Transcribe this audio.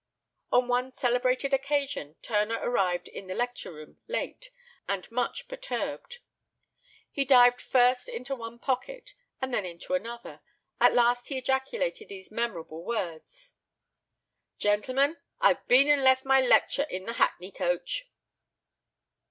On one celebrated occasion Turner arrived in the lecture room late, and much perturbed. He dived first into one pocket, and then into another; at last he ejaculated these memorable words: "Gentlemen, I've been and left my lecture in the hackney coach!"